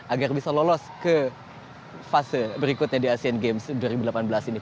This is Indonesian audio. agar bisa lolos ke fase berikutnya di asean games dua ribu delapan belas ini